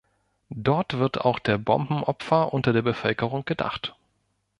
Dort wird auch der Bombenopfer unter der Bevölkerung gedacht.